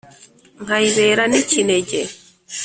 nkayibera n’ikinege